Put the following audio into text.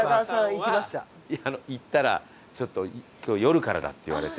行ったらちょっと「今日夜からだ」って言われて。